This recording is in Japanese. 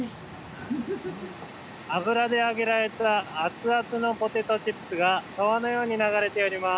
油で揚げられた熱々のポテトチップスが川のように流れております。